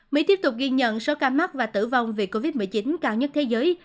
mỹ tiếp tục ghi nhận số ca mắc và tử vong vì covid một mươi chín cao nhất thế giới